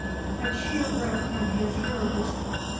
A cheer broke from his hearers.